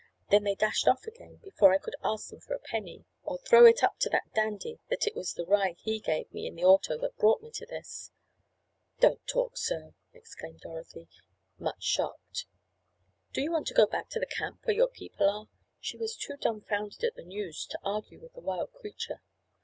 Then they dashed off again before I could ask them for a penny, or throw it up to that dandy that it was the ride he gave me in the auto that brought me to this." "Don't talk so!" exclaimed Dorothy, much shocked. "Do you want to go back to the camp where your people are?" She was too dumfounded at the news to argue with the wild creature.